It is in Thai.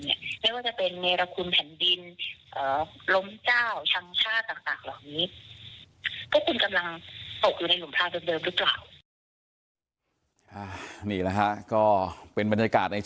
ไม่ว่าจะเป็นเมรคุณแผ่นดินล้มเจ้าชั้นชาติต่างหรืออะไรแบบนี้